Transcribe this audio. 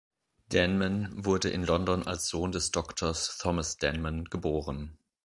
Denman wurde in London als Sohn des Doktors Thomas Denman geboren.